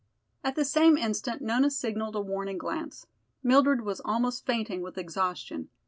At the same instant Nona signaled a warning glance. Mildred was almost fainting with exhaustion.